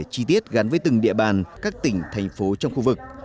chi tiết gắn với từng địa bàn các tỉnh thành phố trong khu vực